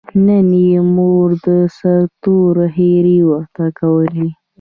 نن یې مور سرتور ښېرې ورته کولې.